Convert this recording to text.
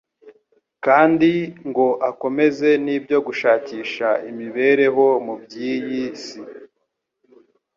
kandi ngo akomeze n'ibyo gushakisha imibereho mu by'iyi si.